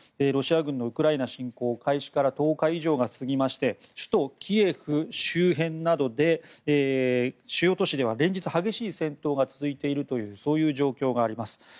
ロシア軍のウクライナ侵攻開始から１０日以上過ぎまして首都キエフ周辺などで主要都市では連日、激しい戦闘が続いているというそういう状況があります。